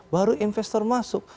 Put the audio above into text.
baru investor masuk